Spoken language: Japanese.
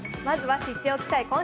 まずは知っておきたい